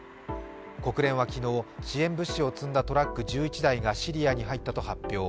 国連は昨日、支援物資を積んだトラック１１台がシリアに入ったと発表。